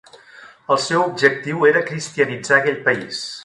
El seu objectiu era cristianitzar aquell país.